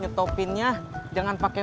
nyetopinnya jangan pake